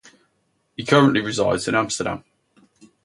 He currently resides in Amsterdam.